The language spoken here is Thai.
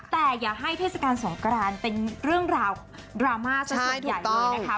แต่อย่าให้เทศกาลสงกรานเป็นเรื่องราวดราม่าสักชุดใหญ่เลยนะคะ